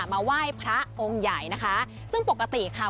มาไหว้พระองค์ใหญ่นะคะซึ่งปกติค่ะ